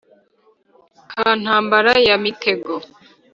ka ntambara ya mitego,